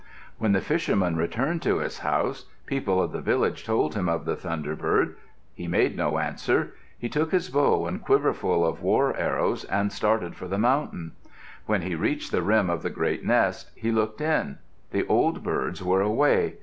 When the fisherman returned to his house, people of the village told him of the thunderbird. He made no answer. He took his bow and quiverful of war arrows and started for the mountain. When he reached the rim of the great nest, he looked in. The old birds were away.